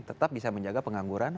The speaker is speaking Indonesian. tetap bisa menjaga pengangguran